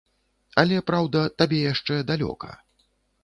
Але, праўда, табе яшчэ далёка.